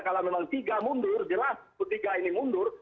kalau memang tiga mundur jelas ketika ini mundur